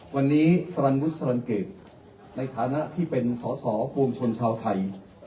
วันนี้สรรวุฒิสรรเกตในฐานะที่เป็นสอสอปวงชนชาวไทย